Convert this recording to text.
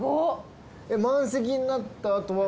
満席になったあとは。